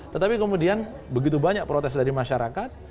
tetapi kemudian begitu banyak protes dari masyarakat